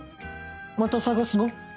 また探すの？